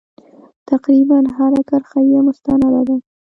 تقریبا هره کرښه یې مستنده ده.